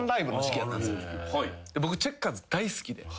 僕チェッカーズ大好きで。